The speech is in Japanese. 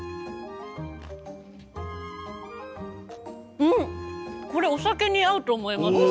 うん、これお酒に合うと思います。